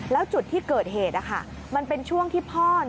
แล้วจุดที่เกิดเหตุมันเป็นช่วงที่พ่อ